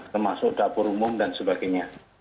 termasuk dapur umum dan sebagainya